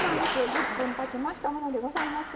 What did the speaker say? １０分たちましたものでございます。